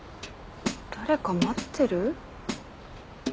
誰か待ってる？